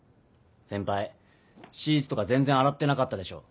先輩シーツとか全然洗ってなかったでしょ。